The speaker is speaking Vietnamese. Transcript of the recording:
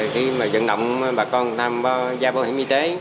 khi mà dẫn động bà con tham gia bảo hiểm y tế